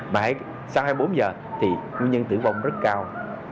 mãi sau hai mươi bốn giờ thì nguyên nhân tử vong rất cao